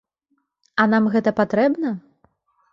А нам гэта патрэбна?